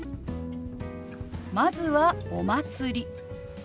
まずは「お祭り」。